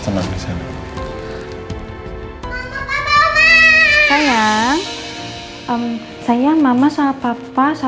terima kasih mama